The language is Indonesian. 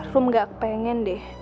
rung gak kepengen deh